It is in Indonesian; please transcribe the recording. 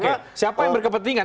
di sisi apa yang berkepentingan